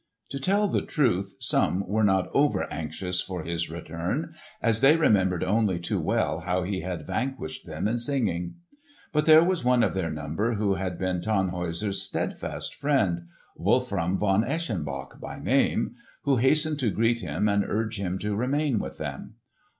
To tell the truth, some were not over anxious for his return, as they remembered only too well how he had vanquished them in singing. But there was one of their number who had been Tannhäuser's steadfast friend—Wolfram von Eschenbach by name—who hastened to greet him and urge him to remain with them.